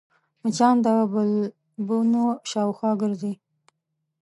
مچان د بلبونو شاوخوا ګرځي